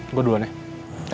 gue duluan ya